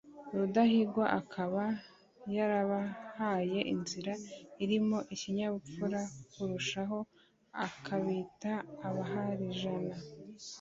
rudahigwa akaba yarabahaye izina ririmo ikinyabupfura kurushaho akabita abaharijani